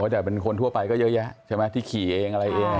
แต่เป็นคนทั่วไปก็เยอะแยะใช่ไหมที่ขี่เองอะไรเอง